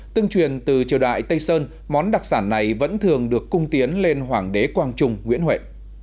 tương truyền từ triều đại tây sơn món đặc sản này vẫn thường được cung tiến lên hoàng đế quang trung nguyễn huệ